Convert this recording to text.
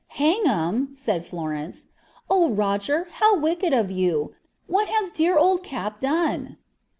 "'Hang him!' said Florence. 'Oh, Roger, how wicked of you! What has dear old Cap done?'